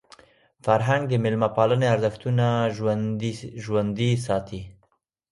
فرهنګ د میلمه پالني ارزښتونه ژوندۍ ساتي.